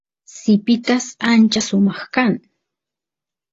sipitas ancha sumaq kan